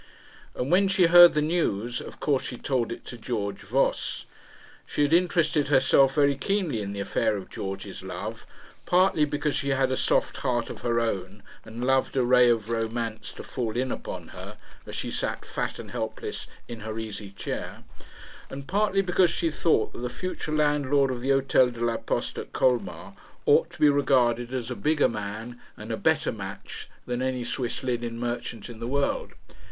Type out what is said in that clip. And when she had heard the news, of course she told it to George Voss. She had interested herself very keenly in the affair of George's love, partly because she had a soft heart of her own and loved a ray of romance to fall in upon her as she sat fat and helpless in her easy chair, and partly because she thought that the future landlord of the Hotel de la Poste at Colmar ought to be regarded as a bigger man and a better match than any Swiss linen merchant in the world.